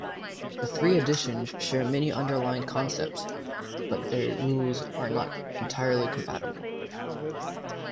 The three editions share many underlying concepts, but their rules are not entirely compatible.